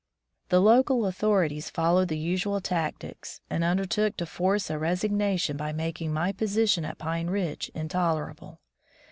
The local authorities followed the usual tactics, and undertook to force a resignation by making my position at Pine Ridge intolerable.